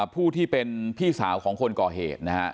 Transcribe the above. ผู้ที่เป็นพี่สาวของคนก่อเหตุนะฮะ